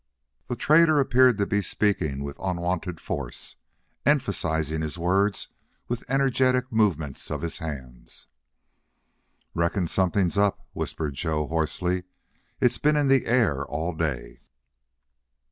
The trader appeared to be speaking with unwonted force, emphasizing his words with energetic movements of his hands. "Reckon something's up," whispered Joe, hoarsely. "It's been in the air all day."